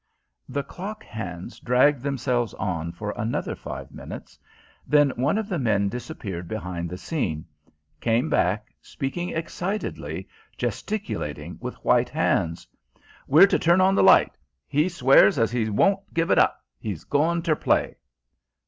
The clock hands dragged themselves on for another five minutes; then one of the men disappeared behind the scene; came back, speaking excitedly, gesticulating with white hands: "We're to turn on the light. 'E swears as 'e won't give it up 'e's goin' ter play."